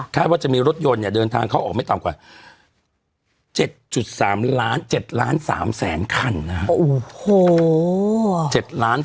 ค่ะถ้าว่าจะมีรถยนต์เดินทางเขาออกไม่ต่อไกว่า๗๓ล้านหรือ๗๓แสนคันโฮเฮออ๗๓